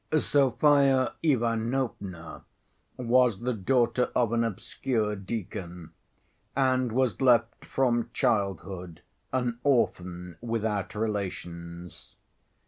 Sofya Ivanovna was the daughter of an obscure deacon, and was left from childhood an orphan without relations.